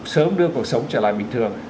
sớm đưa cuộc sống trở lại bình thường